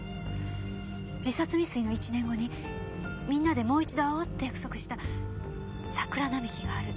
自殺未遂の１年後に皆でもう１度会おうって約束した桜並木がある。